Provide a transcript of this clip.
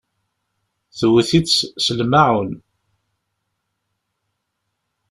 Tewwet-itt, s lmaɛun.